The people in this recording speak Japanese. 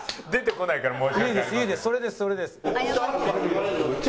それですそれです」。